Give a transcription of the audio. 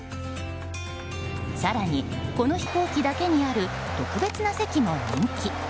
更に、この飛行機だけにある特別な席も人気。